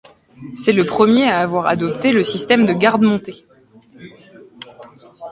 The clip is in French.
C'est le premier à avoir adopté le système de garde montée.